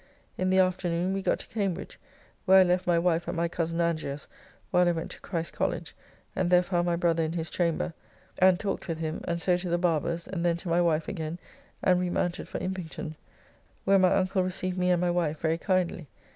In the afternoon we got to Cambridge, where I left my wife at my cozen Angier's while I went to Christ's College, and there found my brother in his chamber, and talked with him; and so to the barber's, and then to my wife again, and remounted for Impington, where my uncle received me and my wife very kindly.